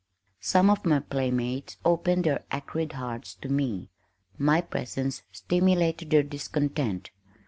Some of my playmates opened their acrid hearts to me. My presence stimulated their discontent.